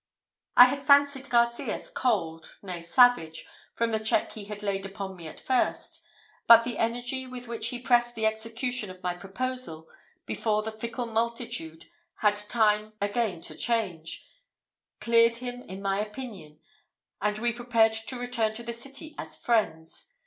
I had fancied Garcias cold nay, savage, from the check he had laid upon me at first; but the energy with which he pressed the execution of my proposal, before the fickle multitude had time again to change, cleared him in my opinion, and we prepared to return to the city as friends.